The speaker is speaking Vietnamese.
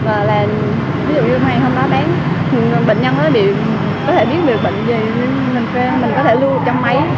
ví dụ như hoàng hôm đó bán bệnh nhân có thể biết được bệnh gì mình có thể lưu vào trong máy